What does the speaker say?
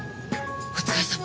お疲れさま。